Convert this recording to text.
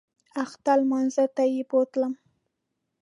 اختر لمانځه ته یې بوتلم.